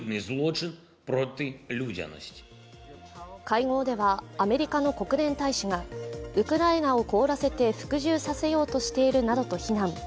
会合では、アメリカの国連大使がウクライナを凍らせて服従させようとしているなどと非難。